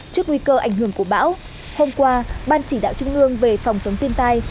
trước nguy cơ ảnh hưởng của bão hôm qua ban chỉ đạo trung ương về phòng chống thiên tai